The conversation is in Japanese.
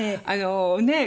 ねえ。